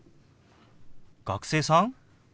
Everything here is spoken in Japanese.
学生さん？